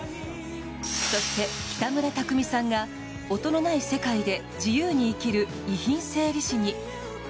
そして、北村匠海さんが音のない世界で自由に生きる遺品整理士に。